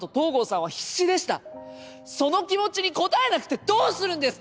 その気持ちに応えなくてどうするんですか！